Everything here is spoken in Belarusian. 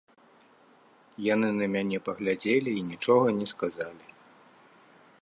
Яны на мяне паглядзелі і нічога не сказалі.